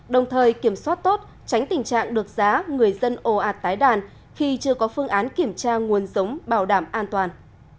đồng thời kiểm soát tốt tránh tình trạng được giá người dân ồ ạt tái đàn khi chưa có phương án kiểm tra nguồn giống bảo đảm an toàn